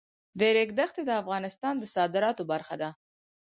د ریګ دښتې د افغانستان د صادراتو برخه ده.